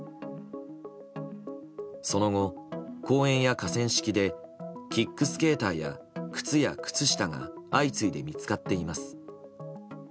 その後、公園や河川敷でキックスケーターや靴や靴下が相次いで見つかっています。